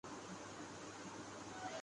تم نے اسے ناراض کیوں کیا؟